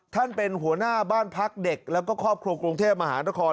เป็นหัวหน้าบ้านพักเด็กแล้วก็ครอบครัวกรุงเทพมหานคร